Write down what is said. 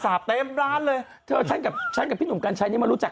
เต็มร้านเลยเธอฉันกับฉันกับพี่หนุ่มกัญชัยนี่มารู้จัก